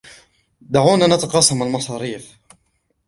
دعونا نتقاسم المصاريف.